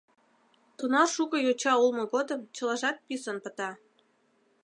Тунар шуко йоча улмо годым чылажат писын пыта.